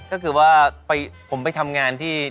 ก็คือว่าผมไปทำงานที่